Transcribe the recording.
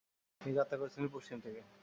তিনি যাত্রা করেছিলেন পশ্চিম দিকে।